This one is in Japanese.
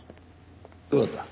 どうだった？